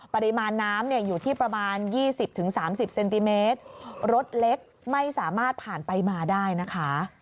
ปริมาณน้ำเนี่ยอยู่ที่ประมาณ๒๐๓๐เซนติเมตรรถเล็กไม่สามารถผ่านไปมาได้นะคะ